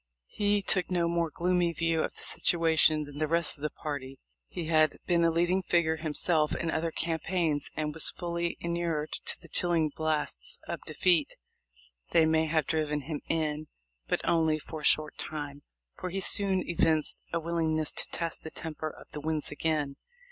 He took no more gloomy view of the situation than the rest of his party. He had been a leading figure himself in other campaigns, and was fully inured to the chilling blasts of defeat. They may have driven him in, but only for a short time, for he soon evinced a willingness to test the temper of the winds again.